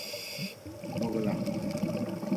Boglam.